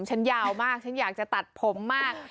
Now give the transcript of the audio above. ฉันยาวมากฉันอยากจะตัดผมมาก